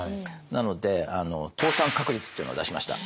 なので倒産確率っていうのを出しました。